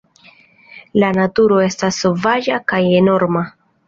La naturo estas sovaĝa kaj enorma.